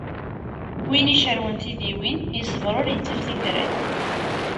Win icerwen tidiwin, yeṣber ur yettaf tifrat.